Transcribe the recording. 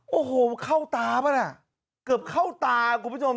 โอ้โหเข้าตาปะน่ะเกือบเข้าตาคุณผู้ชม